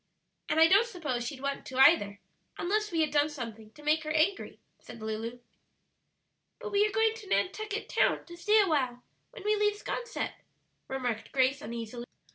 "And I don't suppose she'd want to either, unless we had done something to make her angry," said Lulu. "But we are going to Nantucket Town to stay a while when we leave 'Sconset," remarked Grace uneasily.